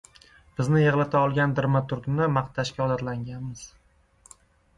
Bizni yig‘lata olgan dramaturgni maqtashga odatlanganmiz.